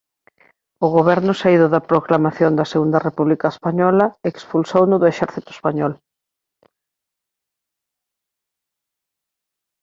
O goberno saído da proclamación da Segunda República Española expulsouno do Exército Español.